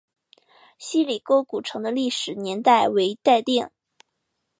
希里沟古城的历史年代为待定。